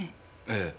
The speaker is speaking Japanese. ええ。